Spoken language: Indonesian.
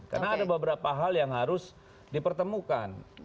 karena ada beberapa hal yang harus dipertemukan